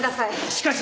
しかし。